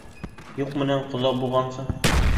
Юҡ менән ҡоҙа булғансы